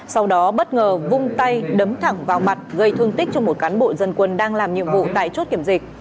sau đó bất ngờ vung tay đấm thẳng vào mặt gây thương tích cho một cán bộ dân quân đang làm nhiệm vụ tại chốt kiểm dịch